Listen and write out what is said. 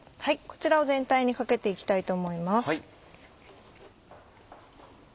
こちらを全体にかけて行きたいと思います。